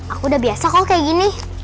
aku udah biasa kok kayak gini